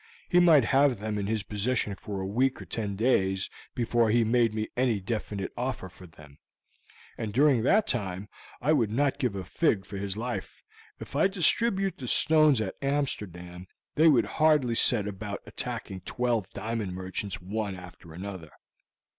He might have them in his possession for a week or ten days before he made me any definite offer for them, and during that time I would not give a fig for his life. If I distribute the stones at Amsterdam they would hardly set about attacking twelve diamond merchants one after another.